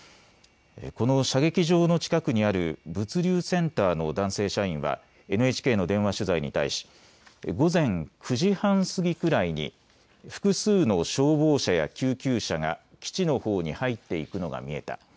この射撃場の近くにある物流センターの男性社員はＮＨＫの電話取材に対し午前９時半過ぎくらいに複数の消防車や救急車が基地のほうに入っていくのが見えた。